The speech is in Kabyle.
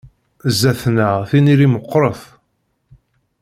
Zzat-neɣ tiniri meqqret.